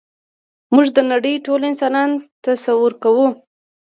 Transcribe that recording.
موږ د نړۍ ټول انسانان تصور کوو.